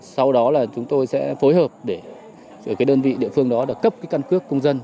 sau đó là chúng tôi sẽ phối hợp để đơn vị địa phương đó cấp căn cước công dân